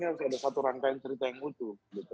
ini harus ada satu rangkaian cerita yang utuh gitu